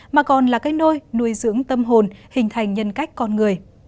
mà còn là cách nuôi nuôi dưỡng tâm hồn hình thành nhân cách con người